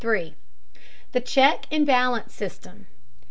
THE CHECK AND BALANCE SYSTEM.